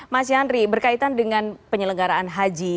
mas yandri berkaitan dengan penyelenggaraan haji